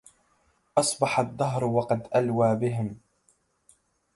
أصبح الدهر وقد ألوى بهم